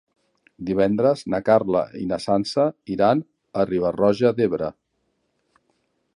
Divendres na Carla i na Sança iran a Riba-roja d'Ebre.